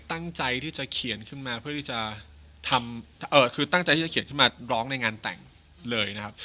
ตั้งใจที่จะเขียนขึ้นมาเพื่อที่จะทำคือตั้งใจที่จะเขียนขึ้นมาร้องในงานแต่งเลยนะครับ